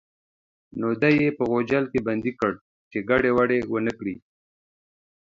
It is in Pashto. نو دی یې په غوجل کې بندي کړ چې ګډوډي ونه کړي.